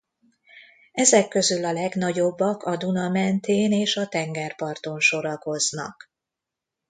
Ezek közül a legnagyobbak a Duna mentén és a tengerparton sorakoznak.